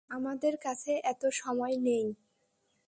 আমাদের কাছে এতো সময় নেই।